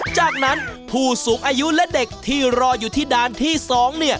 จากนั้นผู้สูงอายุและเด็กที่รออยู่ที่ด่านที่๒